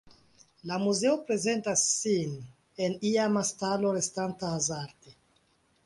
La muzeo prezentas sin en iama stalo restanta hazarde.